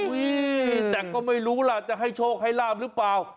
แต่ก็ไม่รู้ล่ะจะให้โชคให้ลาบหรือเปล่า